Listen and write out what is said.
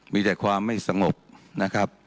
มีแต่ความไม่สงบนะครับ